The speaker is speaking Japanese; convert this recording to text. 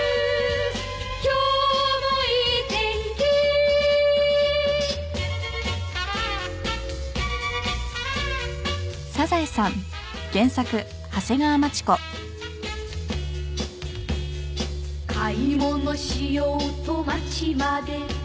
「今日もいい天気」「買い物しようと街まで」